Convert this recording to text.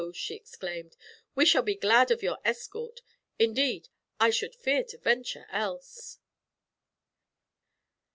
she exclaimed. 'We shall be glad of your escort. Indeed, I should fear to venture else.'